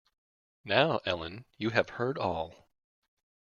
Now, Ellen, you have heard all.